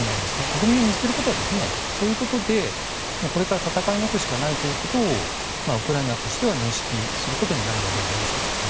国民を見捨てることはできないそういうことでこれから戦い抜くしかないことをウクライナとしては認識することになるのではないでしょうか。